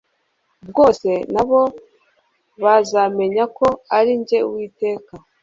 bwose na bo bazamenya ko ari jye uwiteka